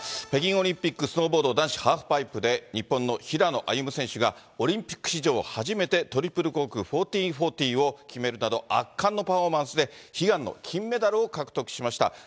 北京オリンピックスノーボード男子ハーフパイプで、日本の平野歩夢選手がオリンピック史上初めてトリプルコーク１４４０を決めるなど、圧巻のパフォーマンスで悲願の金メダルを獲得しました。